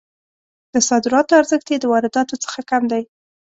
د صادراتو ارزښت یې د وارداتو څخه کم دی.